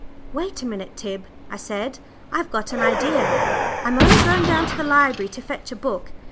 "Wait a minute, Tib," I said, "I've got an idea. I'm only going down to the library to fetch a book.